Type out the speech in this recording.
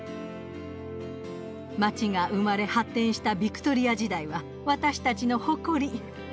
街が生まれ発展したビクトリア時代は私たちの誇り。